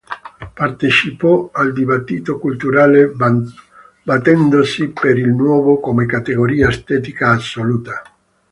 Partecipò al dibattito culturale battendosi per il nuovo come categoria estetica assoluta.